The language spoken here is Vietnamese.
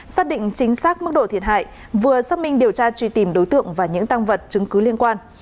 xác định chính xác mức độ thiệt hại vừa xác minh điều tra truy tìm đối tượng và những tăng vật chứng cứ liên quan